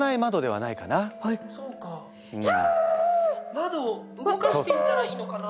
窓を動かしてみたらいいのかな。